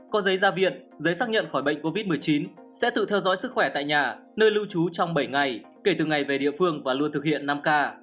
có giấy ra viện giấy xác nhận khỏi bệnh covid một mươi chín sẽ tự theo dõi sức khỏe tại nhà nơi lưu trú trong bảy ngày kể từ ngày về địa phương và luôn thực hiện năm k